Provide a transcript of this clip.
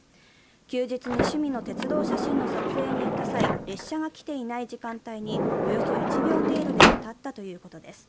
休日に趣味の鉄道写真の撮影に行った際列車が来ていない時間帯におよそ１秒程度で渡ったということです。